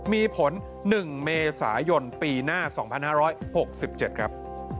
มีผล๑เมษายนปีหน้า๒๕๖๗ครับ